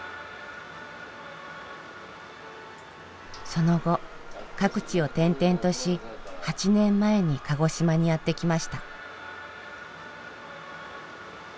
その後各地を転々とし８年前に鹿児島にやって来ました。